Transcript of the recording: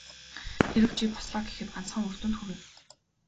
Хэрэв чи бослоо гэхэд ганцхан үр дүнд хүрнэ.